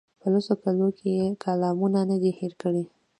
په لسو کالو کې یې کالمونه نه دي هېر کړي.